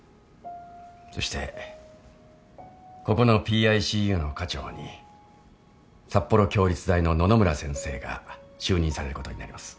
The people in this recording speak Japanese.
そしてここのＰＩＣＵの科長に札幌共立大の野々村先生が就任されることになります。